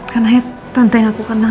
karena tante yang aku kenal